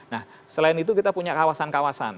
nah selain itu kita punya kawasan kawasan